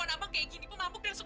untuk penggantian tegos perempuan